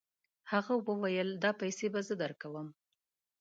هغه وویل دا پیسې به زه درکوم.